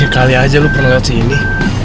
kali aja lu pernah lewat sini